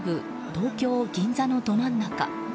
東京・銀座のど真ん中。